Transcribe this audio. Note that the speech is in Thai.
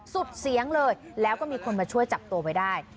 สุดเสียงเลยแล้วก็มีคนมาช่วยจับตัวไว้ได้